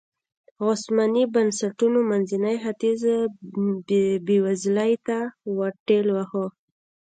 عثماني بنسټونو منځنی ختیځ بېوزلۍ ته ورټېل واهه.